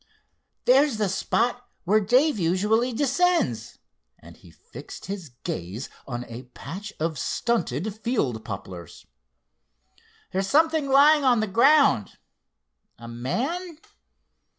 "There's the spot where Dave usually descends," and he fixed his glance on a patch of stunted field poplars. "There's something lying on the ground. A man?